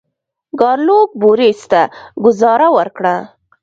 ګارلوک بوریس ته ګوزاره ورکړه.